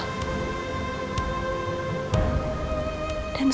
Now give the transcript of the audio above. dan semua yang dia lakukan